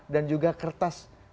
dan juga kertas